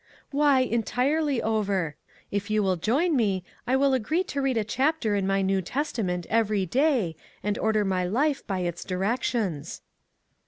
" Why, entirely over. If you will join me I will agree to read a chapter in my New Testa ment every day, and order my life by its directions."